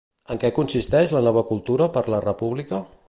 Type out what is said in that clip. En què consisteix La nova cultura per la república?